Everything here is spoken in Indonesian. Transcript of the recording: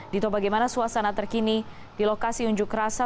dito bagaimana suasana terkini di lokasi unjuk rasa